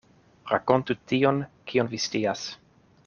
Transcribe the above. Rakontu tion, kion vi scias.